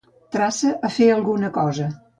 Traça a fer alguna cosa.